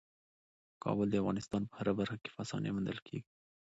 کابل د افغانستان په هره برخه کې په اسانۍ موندل کېږي.